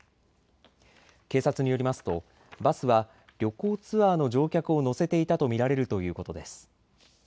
警察によりますとバスは旅行ツアーの乗客を乗せていたと見られるということです。